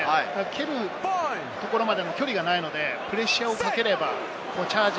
蹴るところまでの距離がないのでプレッシャーをかければチャージ。